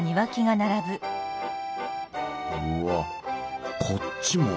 うわこっちも。